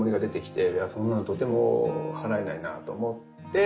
いやそんなのとても払えないなと思って。